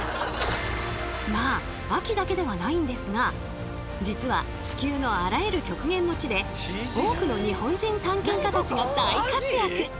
まあ秋だけではないんですが実は地球のあらゆる極限の地で多くの日本人探検家たちが大活躍！